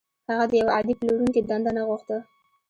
هغه د يوه عادي پلورونکي دنده نه غوښته.